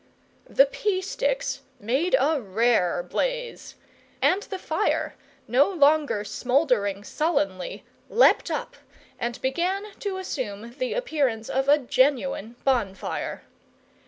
The pea sticks made a rare blaze, and the fire, no longer smouldering sullenly, leapt up and began to assume the appearance of a genuine bonfire.